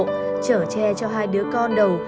trở tre cho hai đứa con đầu